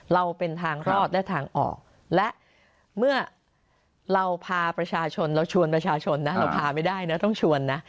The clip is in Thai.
เราเป็นทางรอดและทางออกและเมื่อเราพาประชาชนเราชวนประชาชนนะเราพาไม่ได้นะต้องชวนนะ